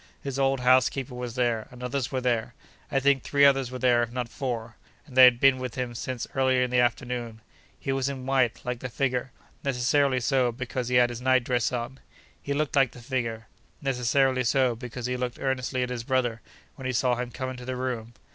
His old housekeeper was there, and others were there: I think three others were there, if not four, and they had been with him since early in the afternoon. He was in white, like the figure—necessarily so, because he had his night dress on. He looked like the figure—necessarily so, because he looked earnestly at his brother when he saw him come into the room.